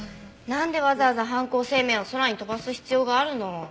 なんでわざわざ犯行声明を空に飛ばす必要があるの？